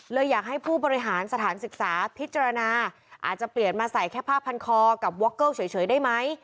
อยากให้ผู้บริหารสถานศึกษาพิจารณาอาจจะเปลี่ยนมาใส่แค่ผ้าพันคอกับว็อกเกิลเฉยได้ไหม